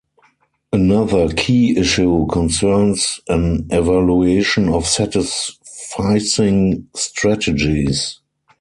Another key issue concerns an evaluation of satisficing strategies.